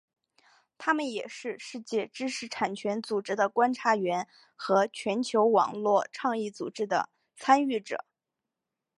他们也是世界知识产权组织的观察员和全球网络倡议组织的参与者。